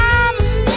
ya lu nyertnya